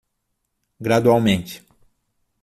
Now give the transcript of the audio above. Gradualmente